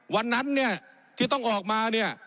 วันนั้นเนี่ยที่ต้องออกมาเนี่ย